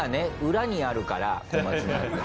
裏にあるから小松菜。